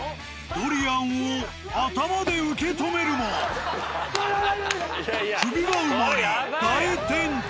ドリアンを頭で受け止めるも首が埋まり大転倒。